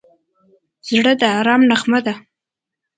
زړه د ارام نغمه ده.